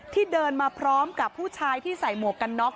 เดินมาพร้อมกับผู้ชายที่ใส่หมวกกันน็อก